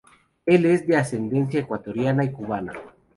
Él es de ascendencia Ecuatoriana y Cubana.